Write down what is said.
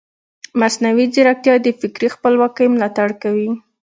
مصنوعي ځیرکتیا د فکري خپلواکۍ ملاتړ کوي.